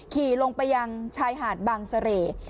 ขี่ลงไปยังชายหาดบางเสร่